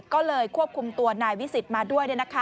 ก็เลยควบคุมตัวนายวิสิทธิ์มาด้วย